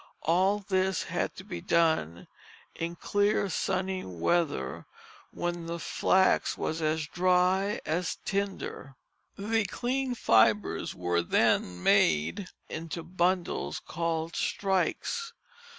All this had to be done in clear sunny weather when the flax was as dry as tinder. The clean fibres were then made into bundles called strikes.